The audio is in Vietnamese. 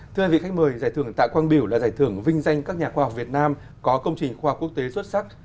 thưa hai vị khách mời giải thưởng tạ quang biểu là giải thưởng vinh danh các nhà khoa học việt nam có công trình khoa học quốc tế xuất sắc